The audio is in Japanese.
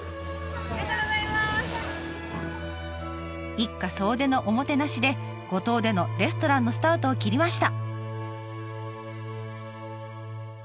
一家総出のおもてなしで五島でのレストランのスタートを切りました。